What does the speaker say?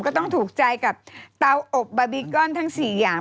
ก็ต้องถูกใจกับเตาอบบาบีกอนทั้ง๔อย่าง